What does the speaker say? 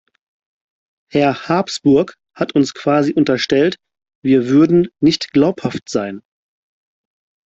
Herr Habsburg hat uns quasi unterstellt, wir würden nicht glaubhaft sein.